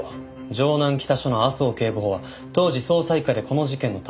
城南北署の麻生警部補は当時捜査一課でこの事件の担当。